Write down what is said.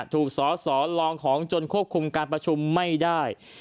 ถูกสอสอลองของจนควบคุมการประชุมไม่ได้